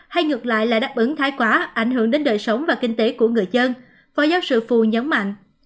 hay ngược lại là đáp ứng thái quá ảnh hưởng đến đời sống và kinh tế của người dân phó giáo sư phù nhấn mạnh